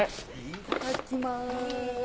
いただきまーす！